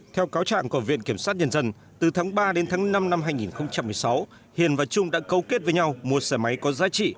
theo cáo trạng của viện kiểm sát nhân dân từ tháng ba đến tháng năm năm hai nghìn một mươi sáu hiền và trung đã câu kết với nhau mua xe máy có giá trị